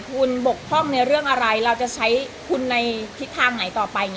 คุณบกพร่องในเรื่องอะไรเราจะใช้คุณในทิศทางไหนต่อไป